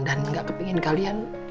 dan gak kepingin kalian